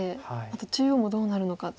あと中央もどうなるのかも。